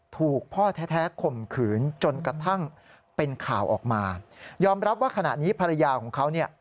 ถูกพ่อแท้ข่มขืนจนกระทั่งเป็นข่าวออกมายอมรับว่าขณะนี้ภรรยาของเขาเนี่ย